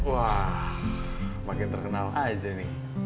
wah makin terkenal aja nih